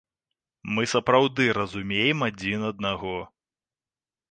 Мы сапраўды разумеем адзін аднаго.